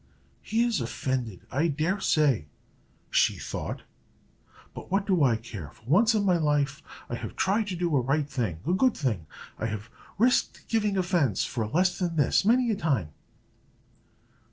"He is offended, I dare say," she thought; "but what do I care? For once in my life I have tried to do a right thing a good thing. I have risked giving offence for less than this, many a time."